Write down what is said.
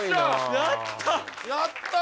やったー！